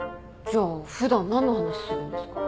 じゃあ普段何の話するんですか？